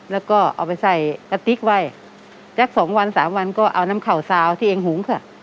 แล้วก็เอาไปใส่กะติ๊กไว้สักสองวันสามวันก็เอาน้ำเข่าซาวที่เองหุงค่ะ